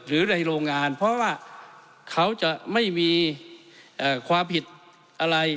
หรือในโรงงานเพราะว่าเขาจะไม่มีความผิดอะไร